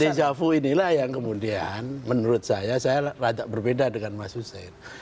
hefu inilah yang kemudian menurut saya saya agak berbeda dengan mas hussein